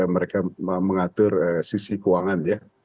mereka mengatur sisi keuangan ya